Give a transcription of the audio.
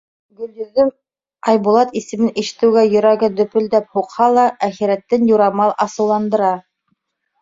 Гөлйөҙөм, Айбулат исемен ишетеүгә йөрәге дөпөлдәп һуҡһа ла, әхирәтен юрамал асыуландыра: